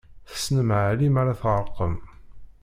Tessnem Ɛli m'ara tɣerqem!